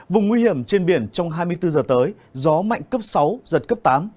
vùng nguy hiểm trên biển trong hai mươi bốn giờ tới gió mạnh cấp sáu giật cấp tám